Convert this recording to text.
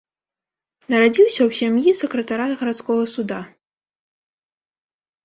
Нарадзіўся ў сям'і сакратара гарадскога суда.